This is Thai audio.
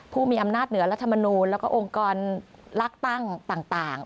ผู้มีอำนาจเหนือรัฐมนูลแล้วก็องค์กรลักตั้งต่าง